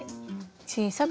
小さく。